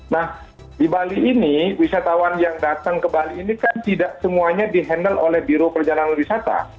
nah di bali ini wisatawan yang datang ke bali ini kan tidak semuanya di handle oleh biru perjalanan wisata